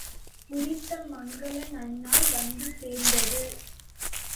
குறித்த மங்கல நன்னாள் வந்து சேர்ந்தது.